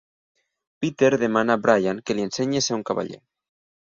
Peter demana a Brian que li ensenyi a ser un cavaller.